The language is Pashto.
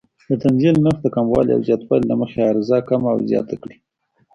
د تنزیل نرخ د کموالي او زیاتوالي له مخې عرضه کمه او زیاته کړي.